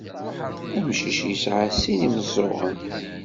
Amcic yesɛa sin imeẓẓuɣen.